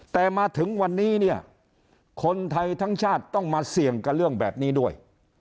แต่มาถึงวันนี้เนี่ยคนไทยทั้งชาติต้องมาเสี่ยงกับเรื่องแบบนี้ด้วย